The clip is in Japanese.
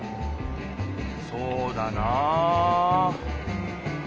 そうだな。